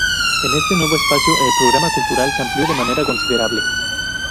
En este nuevo espacio, el programa cultural se amplió de manera considerable.